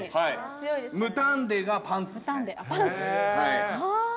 ムタンデがパンツですね。